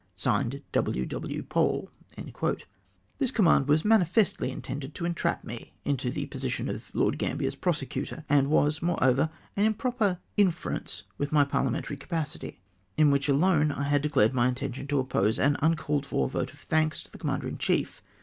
"— (Signed) " W. W. Pole." This command was manifestly intended to entrap me into the position of Lord Gambler's prosecutor, and was, moreover, an improper interference with my Par liamentary capacity, in which alone I had declared my intention to oppose an uncalled for vote of thanks to the commander in chief.